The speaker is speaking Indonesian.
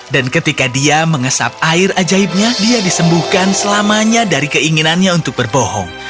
dan ketika dia mengesap air ajaibnya dia disembuhkan selamanya dari keinginannya untuk berbohong